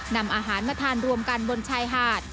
นำอาหารมาทานรวมกันบนชายหาด